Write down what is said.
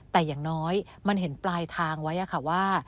แต่อย่างน้อยมันเห็นปลายทางไว้ค่ะว่า